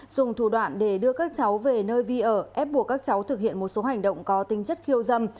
dùng thủ đoạn để đưa các cháu về nơi vi ở ép buộc các cháu thực hiện một số hành động có tinh chất khiêu dâm